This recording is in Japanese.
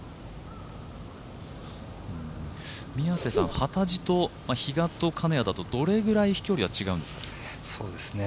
幡地と比嘉と金谷だとどれぐらい飛距離が違うんですか？